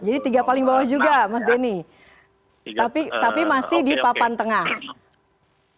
jadi tiga paling bawah juga mas denny tapi masih di papan tengah